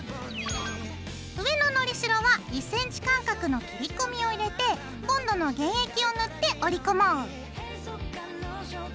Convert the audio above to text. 上ののりしろは１ｃｍ間隔の切り込みを入れてボンドの原液を塗って折り込もう。